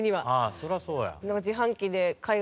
そりゃそうや。